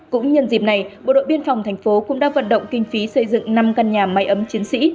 cũng nhân dịp này bộ đội biên phòng thành phố cũng đã vận động kinh phí xây dựng năm căn nhà máy ấm chiến sĩ